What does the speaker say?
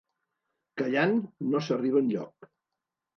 Callant no s'arriba enlloc.